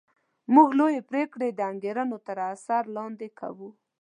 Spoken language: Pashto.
موږ لویې پرېکړې د انګېرنو تر اثر لاندې کوو